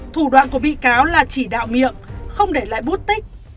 thủ đoạn của bị cáo là chỉ đạo miệng không để lại bút tích